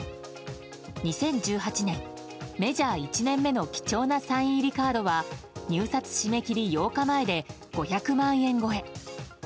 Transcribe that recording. ２０１８年、メジャー１年目の貴重なサイン入りカードは入札締め切り８日前で５００万円超え。